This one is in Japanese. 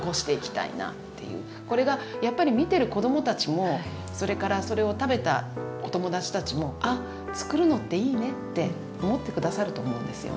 これがやっぱり見てる子供たちもそれからそれを食べたお友達たちも「あつくるのっていいね」って思って下さると思うんですよね